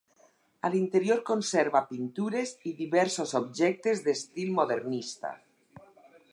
A l'interior conserva pintures i diversos objectes d'estil modernista.